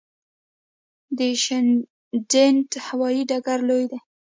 د شینډنډ هوايي ډګر لوی دی